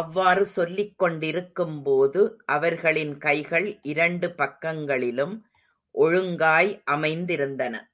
அவ்வாறு சொல்லிக் கொண்டிருக்கும் போது, அவர்களின் கைகள் இரண்டு பக்கங்களிலும் ஒழுங்காய் அமைந்திருந்தன.